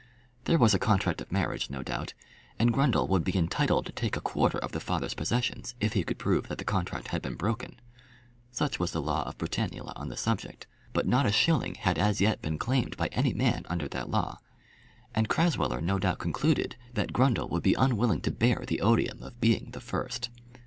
There was a contract of marriage, no doubt, and Grundle would be entitled to take a quarter of the father's possessions if he could prove that the contract had been broken. Such was the law of Britannula on the subject. But not a shilling had as yet been claimed by any man under that law. And Crasweller no doubt concluded that Grundle would be unwilling to bear the odium of being the first.